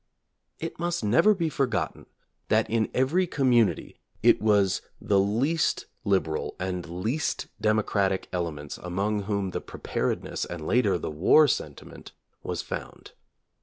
It must never be forgotten that in every community it was the least liberal and least democratic elements among whom the preparedness and later the war sentiment was found.